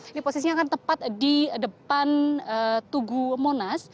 ini posisinya akan tepat di depan tugu monas